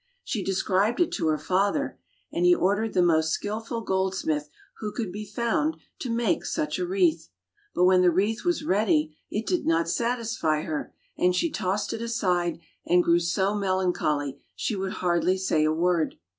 She described it to her father, and he ordered the most skillful goldsmith who could be found, to make such a wreath. But when the wreath was ready it did not satisfy her, and she tossed it aside and grew so melancholy she would hardly say a word.